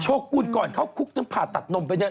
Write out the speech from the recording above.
โชคคุณก่อนเขาคุกตั้งผ่าตัดนมไปเนี่ย